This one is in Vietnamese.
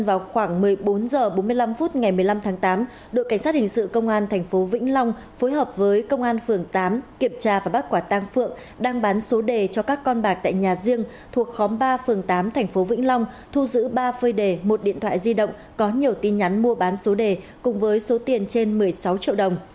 vào khoảng một mươi bốn h bốn mươi năm phút ngày một mươi năm tháng tám đội cảnh sát hình sự công an tp vĩnh long phối hợp với công an phường tám kiểm tra và bắt quả tăng phượng đang bán số đề cho các con bạc tại nhà riêng thuộc khóm ba phường tám tp vĩnh long thu giữ ba phơi đề một điện thoại di động có nhiều tin nhắn mua bán số đề cùng với số tiền trên một mươi sáu triệu đồng